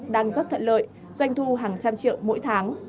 đang rất thuận lợi doanh thu hàng trăm triệu mỗi tháng